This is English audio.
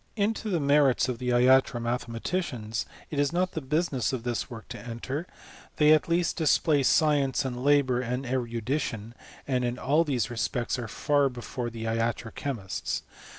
Into the merits of the iatro mathematicians it is not the business of this work to enter ; they at least dis play science, and labour, and erudition, and in all these respects are far before the iatro chemists.